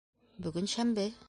- Бөгөн шәмбе.